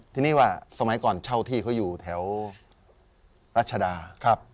ทีนี้ว่าสมัยก่อนเช่าที่เขาอยู่แถวรัชดา